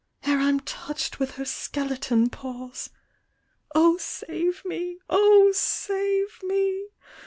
Ere I'm touch'd with her skeleton paws. " save me! save me!